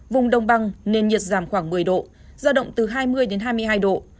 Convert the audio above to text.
vùng đông băng nền nhiệt giảm khoảng một mươi độ ra động từ hai mươi đến hai mươi hai độ